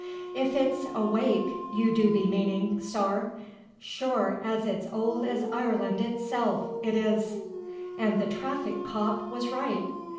"If it's a wake you do be meaning, sorr, sure it's as old as Ireland itself, it is!" And the Traffic Cop was right.